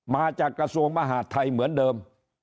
มาจากกระทรวงมหาดไทยเหมือนเดิม